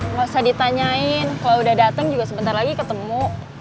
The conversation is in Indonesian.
nggak usah ditanyain kalau udah datang juga sebentar lagi ketemu